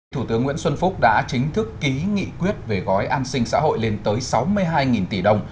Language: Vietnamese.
thủ tướng nguyễn xuân phúc đã chính thức ký nghị quyết về gói an sinh xã hội lên tới sáu mươi hai tỷ đồng